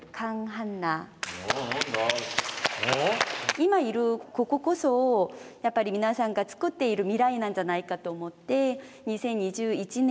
今いるこここそやっぱり皆さんが作っている未来なんじゃないかと思って２０２１年